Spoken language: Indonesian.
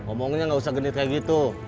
ngomongnya nggak usah genit kayak gitu